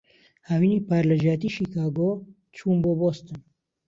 هاوینی پار، لەجیاتیی شیکاگۆ چووم بۆ بۆستن.